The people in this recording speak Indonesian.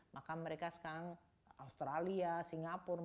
maka mereka sekarang australia singapura